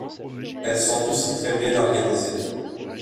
Elles sont aussi très bien organisées.